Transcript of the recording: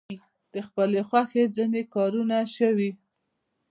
د خپلې خوښې ځینې کارونه شوي.